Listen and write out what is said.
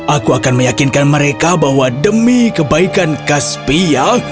aku akan meyakinkan mereka bahwa demi kebaikan kaspia